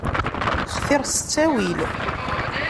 Xtiṛ s ttawil.